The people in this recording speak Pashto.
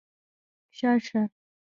شه شه